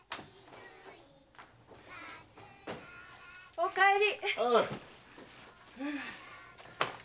おかえり！